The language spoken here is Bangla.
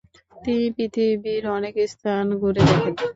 তিনি পৃথিবীর অনেক স্থান ঘুরে দেখেন।